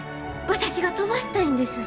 私が飛ばしたいんです。